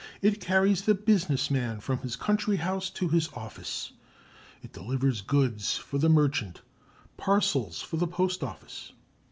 It carries the business man from his country house to his office. It delivers goods for the merchant; parcels for the post office.